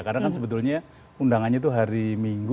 karena kan sebetulnya undangannya itu hari minggu